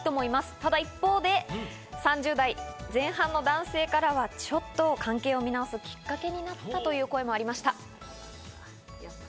ただ一方で、３０代前半の男性からはちょっと関係を見直すきっかけになったという声もありました。